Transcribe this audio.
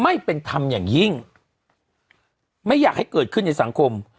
ไม่เป็นธรรมอย่างยิ่งไม่อยากให้เกิดขึ้นในสังคม